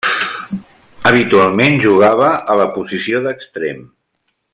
Habitualment jugava a la posició d'extrem.